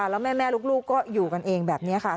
แล้วแม่ลูกก็อยู่กันเองแบบนี้ค่ะ